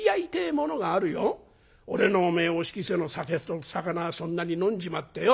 俺のお仕着せの酒と肴そんなに飲んじまってよ！